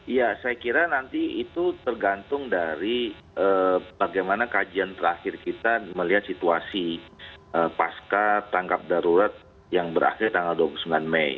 iya saya kira nanti itu tergantung dari bagaimana kajian terakhir kita melihat situasi pasca tangkap darurat yang berakhir tanggal dua puluh sembilan mei